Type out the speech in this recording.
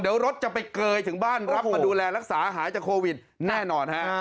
เดี๋ยวรถจะไปเกยถึงบ้านรับมาดูแลรักษาหายจากโควิดแน่นอนฮะ